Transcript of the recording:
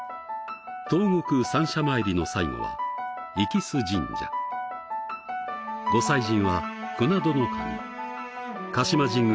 東国三社参りの最後は息栖神社御祭神はクナドノカミ鹿島神宮